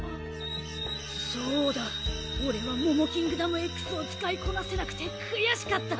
そうだ俺はモモキングダムＸを使いこなせなくて悔しかった。